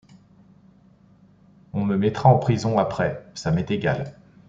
On me mettra en prison, après ; ça m’est égal...